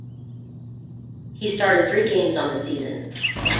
He started three games on the season.